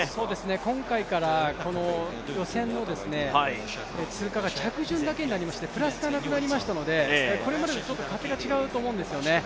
今回からこの予選の通過が着順だけになりましてプラスがなくなりましたのでこれまでと勝手が違うと思うんですよね。